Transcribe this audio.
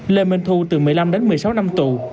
lê minh thu từ một mươi năm đến một mươi sáu năm tù